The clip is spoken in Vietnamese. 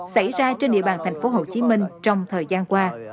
xảy ra trên địa bàn tp hcm trong thời gian qua